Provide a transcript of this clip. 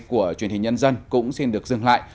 của truyền hình nhân dân cũng xin được dừng lại